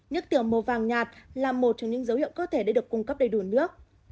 nước tiểu màu vàng nhạt là một trong những dấu hiệu cơ thể đã được cung cấp đầy đủ nước